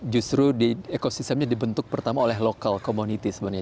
justru ekosistemnya dibentuk pertama oleh local community sebenarnya